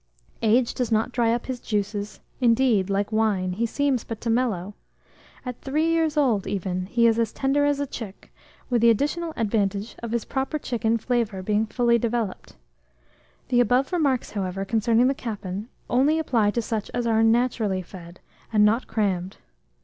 Age does not dry up his juices; indeed, like wine, he seems but to mellow. At three years old, even, he is as tender as a chick, with the additional advantage of his proper chicken flavour being fully developed. The above remarks, however, concerning the capon, only apply to such as are naturally fed, and not crammed.